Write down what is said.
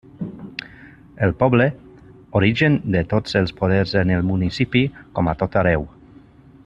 El poble, origen de tots els poders en el municipi com a tot arreu.